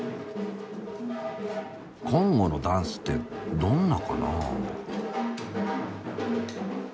コンゴのダンスってどんなかな？